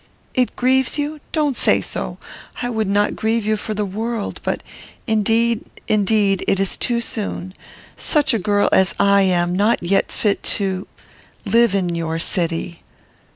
"It grieves you? Don't say so. I would not grieve you for the world; but, indeed, indeed, it is too soon. Such a girl as I am not yet fit to live in your city."